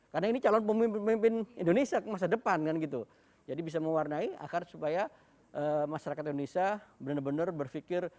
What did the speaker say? karena ini calon pemimpin indonesia masa depan kan gitu jadi bisa mewarnai agar supaya masyarakat indonesia benar benar berpikir